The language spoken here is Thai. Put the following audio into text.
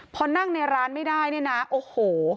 พอนั่งในร้านไม่ได้เนี่ยนะโอ้โห